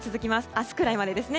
明日くらいまでです。